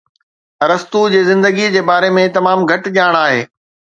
ارسطو جي زندگيءَ جي باري ۾ تمام گھٽ ڄاڻ آھي